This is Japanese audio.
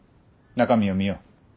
中身を見よう。